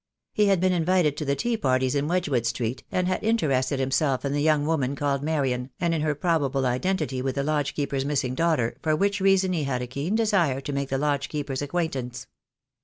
He had been invited to the tea parties in Wedgewood Street, and had interested himself in the young woman called Marian, and in her probable identity with the lodge keeper's THE DAY WILL COME. IO7 missing daughter, for which reason he had a keen desire to make the lodge keeper's acquaintance.